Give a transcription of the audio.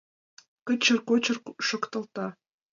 Кычыр-кочыр шокталта.